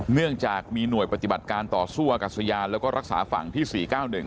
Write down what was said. เนื่องจากมีหน่วยปฏิบัติการต่อสู้อากาศยานแล้วก็รักษาฝั่งที่๔๙๑